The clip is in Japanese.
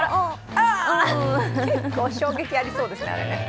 結構、衝撃ありそうですね、あれ。